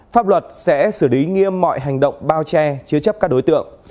pháp luật sẽ xử lý nghiêm mọi hành động bao che chứa chấp các đối tượng